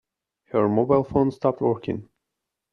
Her mobile phone stopped working.